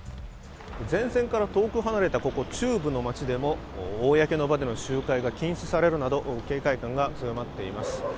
前線から遠く離れたここ中部の街でも公の集会が禁止されるなど公の場での集会が禁止されるなど、警戒感が強まっています。